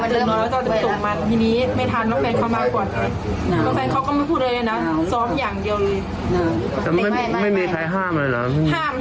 ห้ามห้ามแต่เขาก็ไม่ฟัง